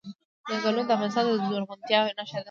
ځنګلونه د افغانستان د زرغونتیا نښه ده.